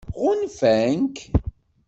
Ɣunfan-k?